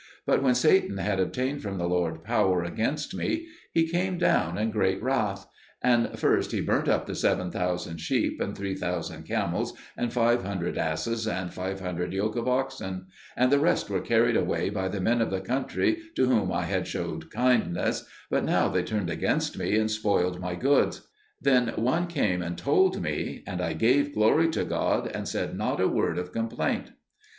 But when Satan had obtained from the Lord power against me, he came down in great wrath; and first he burnt up the 7000 sheep, and 3000 camels, and 500 asses, and 500 yoke of oxen; and the rest were carried away by the men of the country to whom I had showed kindness, but now they turned against me and spoiled my goods. Then one came and told me, and I gave glory to God, and said not a word of complaint.